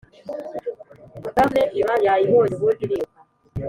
bakarne iba yayibonye ubundi iriruka